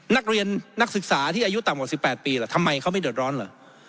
นักศึกษาที่อายุต่ำกว่า๑๘ปีล่ะทำไมเขาไม่เดือดร้อนเหรอ